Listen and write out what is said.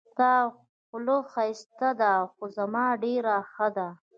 د تا خوله ښایسته ده خو زما ډېره ښه ده